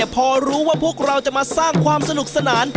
พอรู้ว่าพวกเราจะมาสร้างความสนุกสนาน